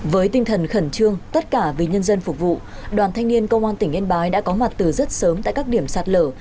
với tinh thần khẩn trương tất cả vì nhân dân phục vụ đoàn thanh niên công an tỉnh yên bái đã có mặt từ rất sớm tại các điểm sạt lở